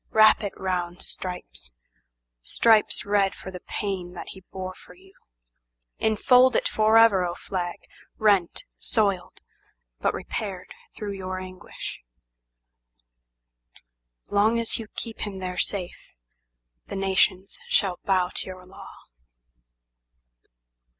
Wrap it round, stripes—stripes red for the pain that he bore for you—Enfold it forever, O flag, rent, soiled, but repaired through your anguish; Long as you keep him there safe, the nations shall bow to your law.